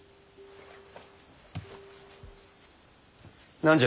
何じゃ？